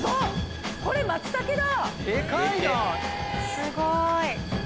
・すごい。